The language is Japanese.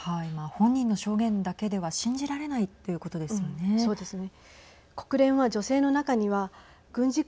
本人の証言だけでは信じられないということですよね。